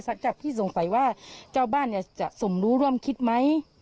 สักเจ้าพี่สงสัยว่าเจ้าบ้านจะสมรู้ร่วมคิดไหม